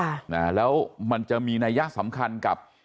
ค่ะนะแล้วมันจะมีนัยยะสำคัญกับ